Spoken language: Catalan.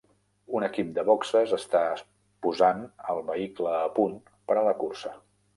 Un equip de boxes està posant el vehicle a punt per a la cursa.